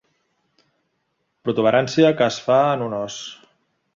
Protuberància que es fa en un os.